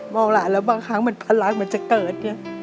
มองลานแล้วบางครั้งมันพันลาคมันจะเกิด